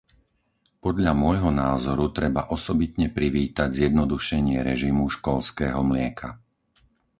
Podľa môjho názoru treba osobitne privítať zjednodušenie režimu školského mlieka.